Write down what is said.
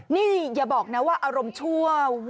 นี่อย่าบอกนะว่าอารมณ์ชั่ว